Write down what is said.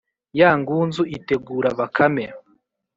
ya ngunzu itegura bakame.